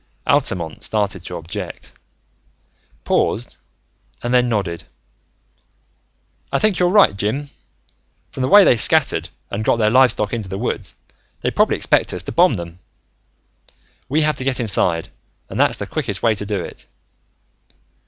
Altamont started to object, paused, and then nodded. "I think you're right, Jim. From the way they scattered, and got their livestock into the woods, they probably expect us to bomb them. We have to get inside and that's the quickest way to do it."